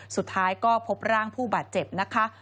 สุดท้ายก็พบร่างผู้บาดเจ็บนะคะ